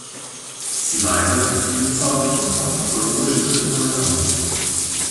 Sie weisen eine Vielzahl von pharmakologischen Wirkungen auf.